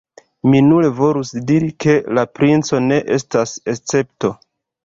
Mi nur volus diri, ke la princo ne estas escepto.